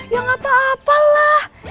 ya nggak apa apalah